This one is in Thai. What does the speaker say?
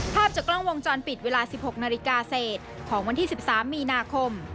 ภาพจากกล้องวงจรปิดเวลา๑๖นาฬิกาเศษของวันที่๑๓มีนาคม